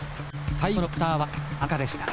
最後のバッターは田中でした。